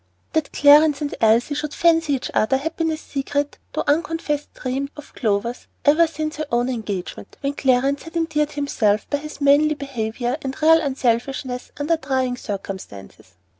That Clarence and Elsie should fancy each other had been a secret though unconfessed dream of Clover's ever since her own engagement, when Clarence had endeared himself by his manly behavior and real unselfishness under trying circumstances.